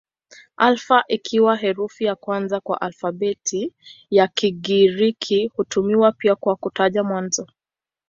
Alfa ikiwa herufi ya kwanza ya alfabeti ya Kigiriki hutumiwa pia kwa kutaja mwanzo.